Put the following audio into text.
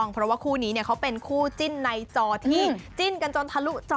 เพราะว่าคู่นี้เขาเป็นคู่จิ้นในจอที่จิ้นกันจนทะลุจอ